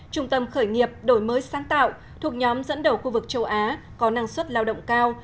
trung tâm khởi nghiệp đổi mới sáng tạo thuộc nhóm dẫn đầu khu vực châu á có năng suất lao động cao